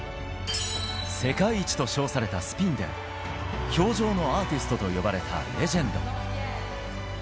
世界一と称されたスピンで氷上のアーティストと呼ばれたレジェンド。